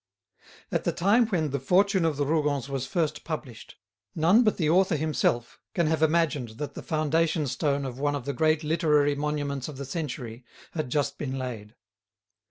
At the time when "The Fortune of the Rougons" was first published, none but the author himself can have imagined that the foundation stone of one of the great literary monuments of the century had just been laid.